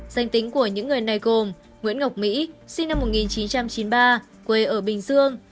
danh tính của những người này gồm nguyễn ngọc mỹ sinh năm một nghìn chín trăm chín mươi ba quê ở bình dương